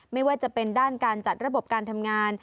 ไม่ว่าจะเป็นด้านการจัดระบบการทำงาน